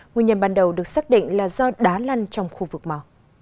nguyên nhân ban đầu được xác định là do đá lăn trong khu vực mỏ